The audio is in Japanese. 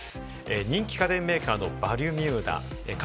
人気家電メーカーのバルミューダ。